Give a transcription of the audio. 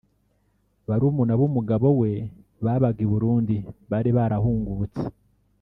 barumuna b’umugabo we babaga i Burundi bari barahungutse